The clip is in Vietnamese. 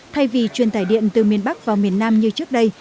thay vì chuyên tài điện từ miền bắc vào miền nam như trước đây